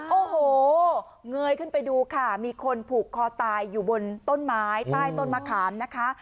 โอ้โหเงยขึ้นไปดูค่ะมีคนผูกคอตายอยู่บนต้นไม้ใต้ต้นมะขามนะคะ